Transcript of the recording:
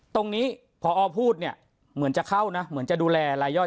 ตรงนี้พอพูดเนี่ยเหมือนจะเข้านะเหมือนจะดูแลรายย่อย